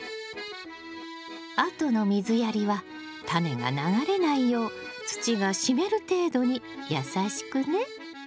あとの水やりはタネが流れないよう土が湿る程度にやさしくね！